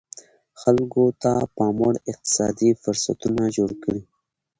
خلکو ته پاموړ اقتصادي فرصتونه جوړ کړي.